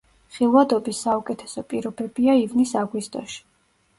ხილვადობის საუკეთესო პირობებია ივნის-აგვისტოში.